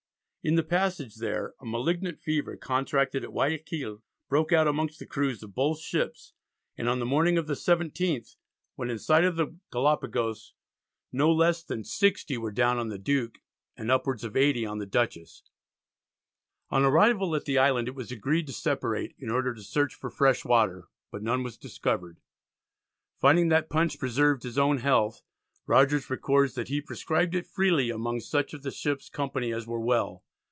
In the passage there a malignant fever contracted at Guiaquil, broke out among the crews of both ships, and on the morning of the 17th when in sight of the Galapagos no less than 60 were down on the Duke, and upwards of 80 on the Dutchess. On arrival at the island it was agreed to separate in order to search for fresh water, but none was discovered. Finding that punch preserved his own health, Rogers records that he "prescribed it freely among such of the ship's company as were well."